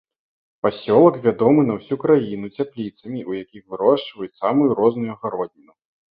Пасёлак вядомы на ўсю краіну цяпліцамі, у якіх вырошчваюць самую розную агародніну.